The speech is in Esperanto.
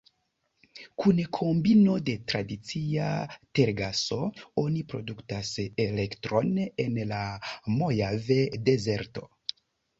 Kun kombino de tradicia tergaso, oni produktas elektron en la Mojave-dezerto.